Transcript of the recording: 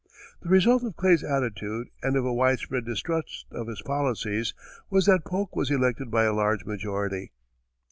The result of Clay's attitude, and of a widespread distrust of his policies, was that Polk was elected by a large majority.